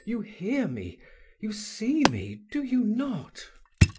you hear me, you see me, do you not?"